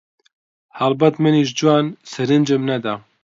هەڵبەت منیش جوان سرنجم نەدا